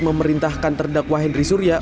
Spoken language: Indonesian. memerintahkan terdakwa henry surya